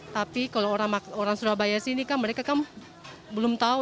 tapi kalau orang surabaya sini kan mereka kan belum tahu